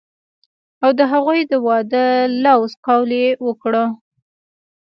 او د هغوي د وادۀ لوظ قول يې وکړۀ